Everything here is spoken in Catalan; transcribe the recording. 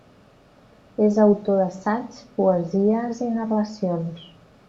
És autor d’assaigs, poesies i narracions.